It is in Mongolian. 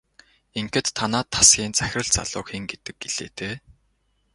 Ингэхэд танай тасгийн захирал залууг хэн гэдэг гэлээ дээ?